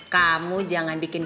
kamu jangan bikin